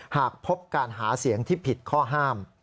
หากพบการหาเสียงที่ผิดข้อห้าม